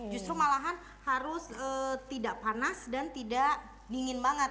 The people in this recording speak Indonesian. justru malahan harus tidak panas dan tidak dingin banget